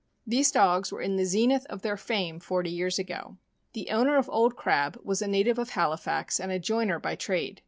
These dogs were in the zenith of their fame forty years ago. The owner of Old Crab was a native of Halifax, and a joiner by trade.